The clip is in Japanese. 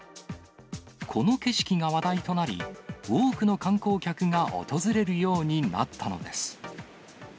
この景色が話題となり、多くの観光客が訪れるようになったのです。